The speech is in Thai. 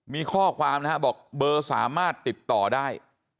มีข้อความนะครับบอกเบอร์สามารถติดต่อได้